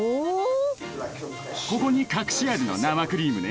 ここに隠し味の生クリームね。